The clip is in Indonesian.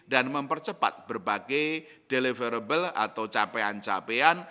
dan mempercepat berbagai deliverable atau capaian capaian